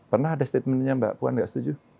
pernah ada statement nya mbak puan gak setuju